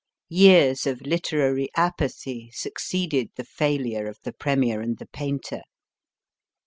Years of literary apathy succeeded the failure of The Premier and the Painter.